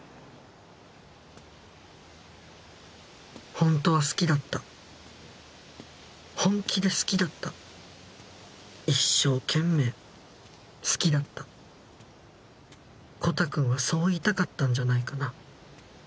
ホントは好きだった本気で好きだった一生懸命好きだったコタくんはそう言いたかったんじゃないかな